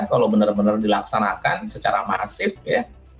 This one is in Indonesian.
kalau benar benar dilaksanakan secara masif ya